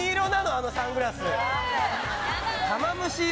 あのサングラス。